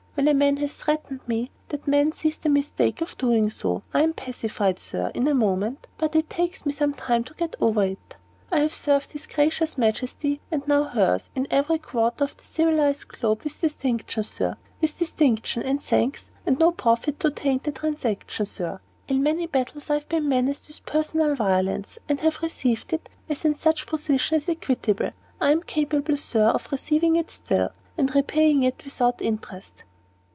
"When a man has threatened me, and that man sees the mistake of doing so, I am pacified, Sir, in a moment; but it takes me some time to get over it. I have served his Gracious Majesty, and now hers, in every quarter of the civilized globe, with distinction, Sir with distinction, and thanks, and no profit to taint the transaction, Sir. In many battles I have been menaced with personal violence, and have received it, as in such positions is equitable. I am capable, Sir, of receiving it still, and repaying it, not without interest."